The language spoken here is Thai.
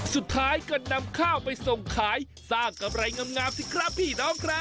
สุดท้ายก็นำข้าวไปส่งขายสร้างกำไรงามสิครับพี่น้องครับ